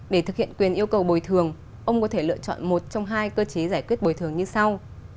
để thực hiện quyền yêu cầu bồi thường ông có thể lựa chọn một trong hai cơ chế giải quyết bồi thường như sau